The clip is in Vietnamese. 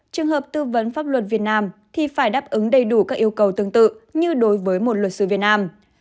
trường hợp tư vấn pháp luật việt nam thì phải đáp ứng đầy đủ các yêu cầu tương tự như đối với một luật sư việt nam